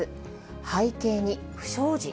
背景に不祥事。